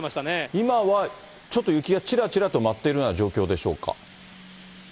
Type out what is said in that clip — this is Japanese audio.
今は、ちょっと雪がちらちらと舞っているような状況でしょうか。